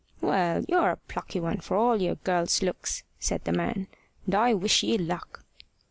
"Well, you're a plucky one, for all your girl's looks!" said the man; "and I wish ye luck."